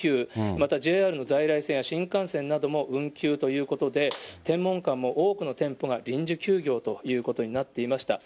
またＪＲの在来線や新幹線なども運休ということで、天文館も多くの店舗が臨時休業ということになっていました。